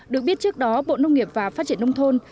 được biết trước đó bộ nông nghiệp và phát triển nông thôn